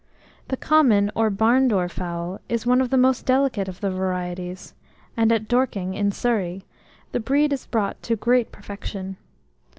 The common, or barn door fowl, is one of the most delicate of the varieties; and at Dorking, in Surrey, the breed is brought to great perfection.